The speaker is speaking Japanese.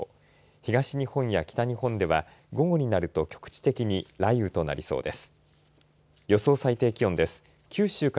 東日本や北日本では午後になると局地的に雷雨となりそうです。